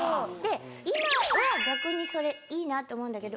今は逆にそれいいなと思うんだけど。